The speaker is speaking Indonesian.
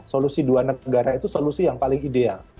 solusi dua negara itu solusi yang paling ideal